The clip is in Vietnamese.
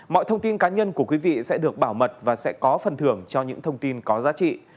mọi thông tin cá nhân của quý vị sẽ được bảo mật và sẽ có phần thưởng cho những thông tin có giá trị